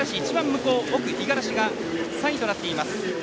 五十嵐が３位となっています。